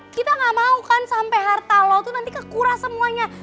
kita gak mau kan sampai harta lo tuh nanti kekura semuanya